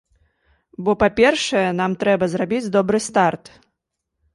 Бо, па-першае, нам трэба зрабіць добры старт.